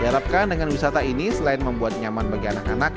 diharapkan dengan wisata ini selain membuat nyaman bagi anak anak